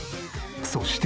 そして。